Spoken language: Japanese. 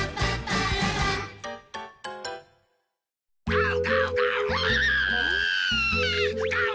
ガオガオガオ！